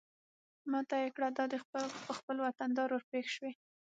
ما ته يې کړه دا دى په خپل وطندار ورپېښ شوې.